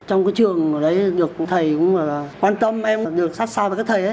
trong cái trường ở đấy được thầy cũng quan tâm em được sát sao với các thầy